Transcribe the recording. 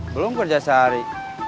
belum kerja sehari